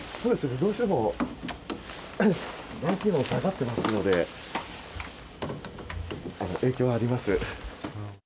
どうしても外気温が下がってますので、影響はあります。